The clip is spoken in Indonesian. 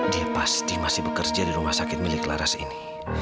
dia pasti masih bekerja di rumah sakit milik laras ini